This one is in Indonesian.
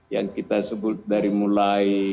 yang kita sebut dari mulai